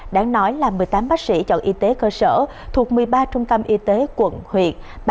đáng nói là một mươi tám bác sĩ chọn y tế cơ sở thuộc một mươi ba trung tâm y tế quận huyện